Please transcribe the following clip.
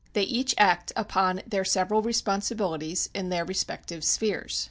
They each act upon their several responsibilities in their respective spheres.